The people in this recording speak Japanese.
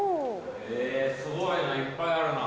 へぇすごいないっぱいあるな。